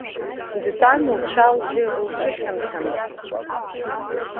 Дтәан лцәа-лжьы лцәыхьанҭаны.